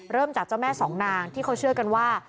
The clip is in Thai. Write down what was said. เริ่มจากเจ้าแม่สองนางที่เขาเชื่อกันว่า